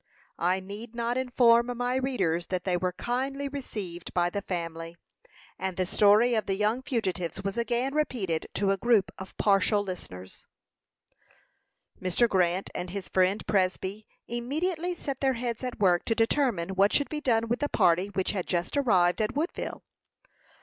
I need not inform my readers that they were kindly received by the family; and the story of the young fugitives was again repeated to a group of partial listeners. Mr. Grant and his friend Presby immediately set their heads at work to determine what should be done with the party which had just arrived at Woodville.